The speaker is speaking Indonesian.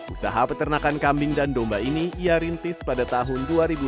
usaha peternakan kambing dan domba ini ia rintis pada tahun dua ribu dua